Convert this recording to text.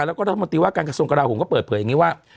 แล้วก็รัฐมนตรีว่าการกระทรวงกราโหมก็เปิดเผยอย่างนี้ว่า